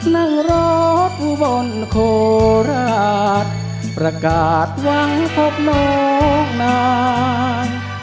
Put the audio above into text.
นั่งรออุบลโคราชประกาศหวังพบน้องนาน